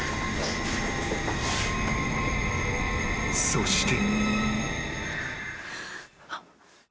［そして］